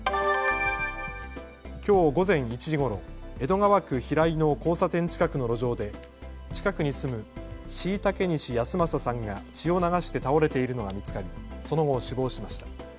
きょう午前１時ごろ、江戸川区平井の交差点近くの路上で近くに住む後嵩西安正さんが血を流して倒れているのが見つかりその後、死亡しました。